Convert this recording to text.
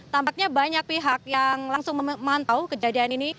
tampaknya banyak pihak yang langsung memantau kejadian ini